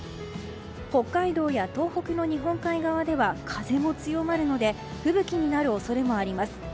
北海道や東北、日本海側では風も強まるので吹雪になる恐れもあります。